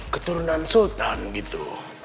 keturunan sultan gitu